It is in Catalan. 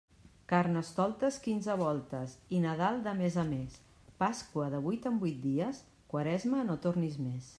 Carnestoltes quinze voltes i Nadal de mes a mes, Pasqua de vuit en vuit dies; Quaresma, no tornis més.